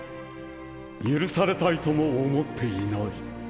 許されたいとも思っていない。